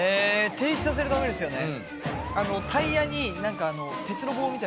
停止させるためですよね？